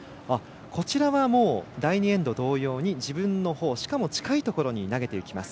こちらは第２エンド同様に自分のほう、しかも近いほうに投げていきます。